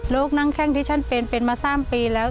นั่งแข้งที่ฉันเป็นเป็นมา๓ปีแล้ว